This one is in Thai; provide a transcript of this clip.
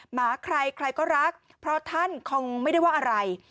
หมาใครใครก็รักเพราะท่านคงไม่ได้ว่าอะไร